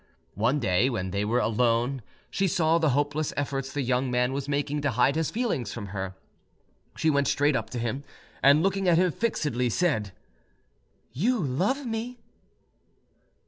One day when they were alone, and she saw the hopeless efforts the young man was making to hide his feelings from her, she went straight up to him, and, looking at him fixedly, said: "You love me!"